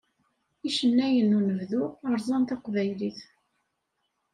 Icennayen n unebdu rẓan taqbaylit.